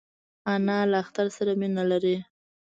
انا له اختر سره مینه لري